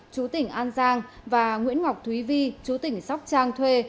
chủ tỉnh an giang và nguyễn ngọc thúy vi chủ tỉnh sóc trang thuê